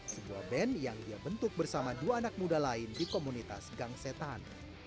sebuah band yang dia bentuk bersama dua anak muda lain di komunitas gang setan